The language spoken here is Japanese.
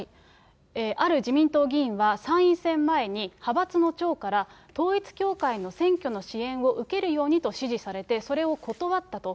ある自民党議員は、参院選前に派閥の長から、統一教会の選挙の支援を受けるようにと指示されて、それを断ったと。